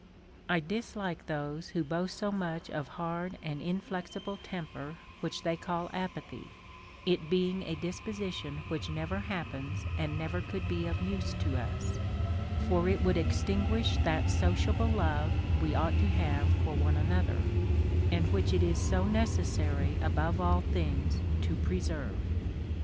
I dislike those who boast so much of hard and inflexible temper which they call apa thy, it being a disposition Λvllich never happens and never could be of use to us ; for it would extinguish that soci able love we ought to have for one another, and which it is so necessary above all things to preserve.